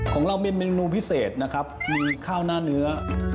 ของเรามีเมนูพิเศษนะครับมีข้าวหน้าเนื้อ